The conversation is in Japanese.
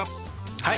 はい！